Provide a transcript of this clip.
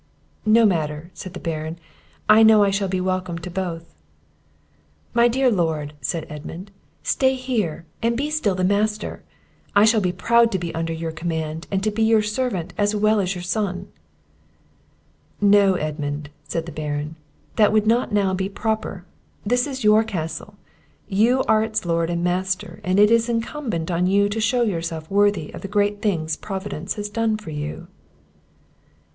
"No matter," said the Baron; "I know I shall be welcome to both." "My dear Lord," said Edmund, "stay here and be still the master; I shall be proud to be under your command, and to be your servant as well as your son!" "No, Edmund," said the Baron, "that would not now be proper; this is your castle, you are its lord and master, and it is incumbent on you to shew yourself worthy of the great things Providence has done for you."